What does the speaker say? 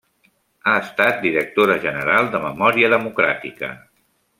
Ha estat directora general de Memòria Democràtica.